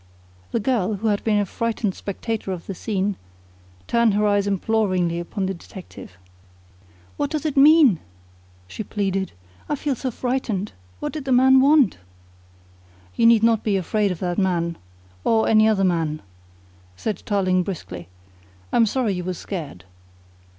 The girl, who had been a frightened spectator of the scene, turned her eyes imploringly upon the detective. "What does it mean?" she pleaded. "I feel so frightened. What did that man want?" "You need not be afraid of that man, or any other man," said Tarling briskly. "I'm sorry you were scared."